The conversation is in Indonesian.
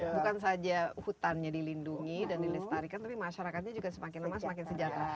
bukan saja hutannya dilindungi dan dilestarikan tapi masyarakatnya juga semakin lama semakin sejahtera